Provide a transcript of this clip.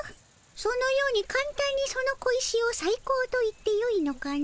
そのようにかんたんにその小石をさい高と言ってよいのかの？